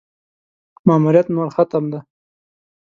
ماموریت نور ختم دی.